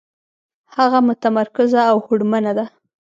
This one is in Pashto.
هغه متمرکزه او هوډمنه ده.